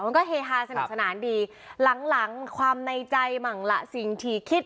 มันก็เฮฮาสนุกสนานดีหลังหลังความในใจมั่งละสิ่งที่คิด